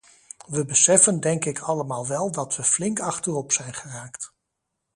We beseffen denk ik allemaal wel dat we flink achterop zijn geraakt.